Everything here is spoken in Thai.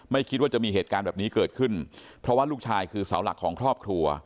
คิดว่าจะมีเหตุการณ์แบบนี้เกิดขึ้นเพราะว่าลูกชายคือเสาหลักของครอบครัว